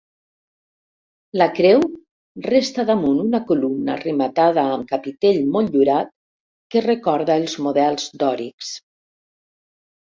La creu resta damunt una columna rematada amb capitell motllurat que recorda els models dòrics.